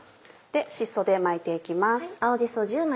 しそで巻いて行きます。